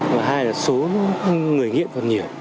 và hai là số người nghiện còn nhiều